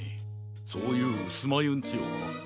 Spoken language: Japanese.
そういううすまゆんちは？